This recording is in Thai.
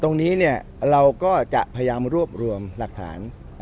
ตรงนี้เราก็จะพยายามรวบรวมหลักฐาน